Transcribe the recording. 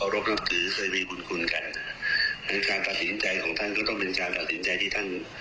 เราก็ต้องให้กำลังใจกัน